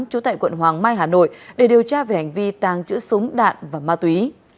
trú tại quận hoàng mai hà nội để điều tra về hành vi tàng trữ súng đạn và ma túy